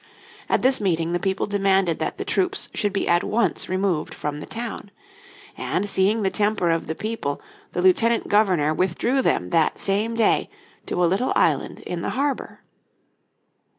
At this meeting the people demanded that the troops should be at once removed from the town. And seeing the temper of the people the Lieutenant Governor withdrew them that same day to a little island in the harbour.